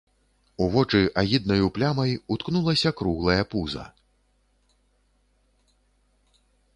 У вочы агіднаю плямай уткнулася круглае пуза.